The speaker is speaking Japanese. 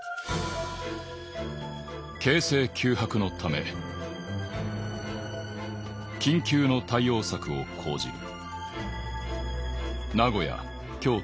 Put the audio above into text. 「形勢急迫のため緊急の対応策を講じる」。